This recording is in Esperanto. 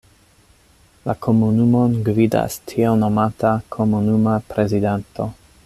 La komunumon gvidas tiel nomata komunuma prezidanto.